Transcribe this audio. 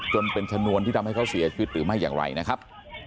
จนเป็นชนวนที่ทำให้เขาเสียชีวิตหรือไม่อย่างไรนะครับ